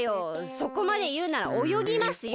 そこまでいうならおよぎますよ！